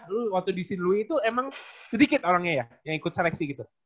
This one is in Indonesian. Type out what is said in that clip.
dulu waktu di shin louis itu emang sedikit orangnya ya yang ikut seleksi gitu